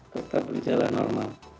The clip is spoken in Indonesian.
tetap berjalan normal